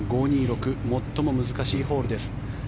最も難しいホールです。